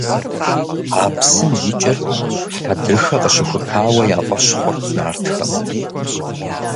А псым икӀыр Хьэдрыхэ къыщыхутауэ я фӀэщ хъурт нартхэм.